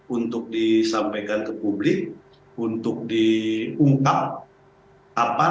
untuk disampaikan ke publik untuk diungkap